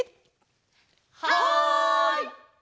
はい！